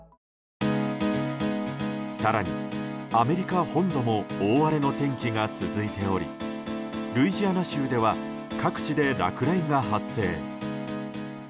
更に、アメリカ本土も大荒れの天気が続いておりルイジアナ州では各地で落雷が発生。